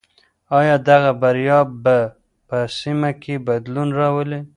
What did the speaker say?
آیا دغه بریا به په سیمه کې بدلون راولي؟